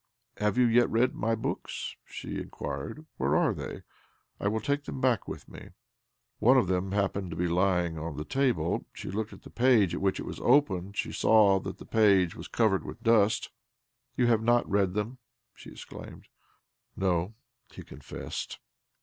'" Have you yet read my books ?" ,she inquired. ' Where are they? I will take them back with mfe." One of them happened to be lying on thfe table. She looked at the page at which it was open, and saw that the page was covered with dust. " You have not read them I " she ex claimed. ' No," he confessed.